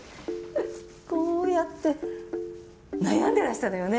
フフッこうやって悩んでらしたのよね？